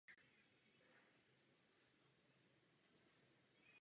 Tak funguje výběrový proces.